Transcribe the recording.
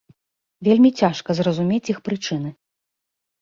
Вельмі цяжка зразумець іх прычыны.